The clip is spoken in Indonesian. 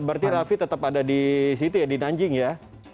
berarti raffi tetap ada di situ ya di nanjing ya